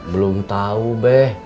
belum tau beh